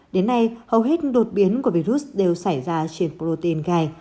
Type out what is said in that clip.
đến nay hầu hết đột biến của virus đều xảy ra trên protein gai